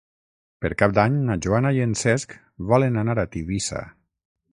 Per Cap d'Any na Joana i en Cesc volen anar a Tivissa.